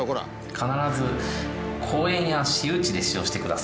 必ず公園や私有地で使用してください」。